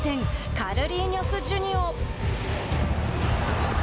カルリーニョス・ジュニオ。